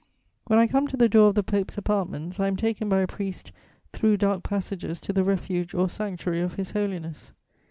When I come to the door of the Pope's apartments, I am taken by a priest through dark passages to the refuge or sanctuary of His Holiness.